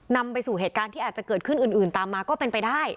นำไปสู่เหตุการณ์ที่อาจจะเกิดขึ้นอื่นตามมาก็เป็นไปได้